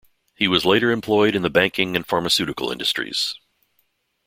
He was later employed in the banking and pharmaceutical industries.